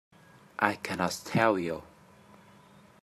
I cannot tell you.